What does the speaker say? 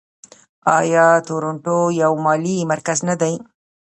آیا تورنټو یو مالي مرکز نه دی؟